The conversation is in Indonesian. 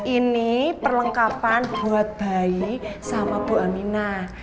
ini perlengkapan buat bayi sama bu aminah